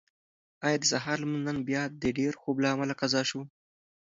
ایا د سهار لمونځ نن بیا د ډېر خوب له امله قضا شو؟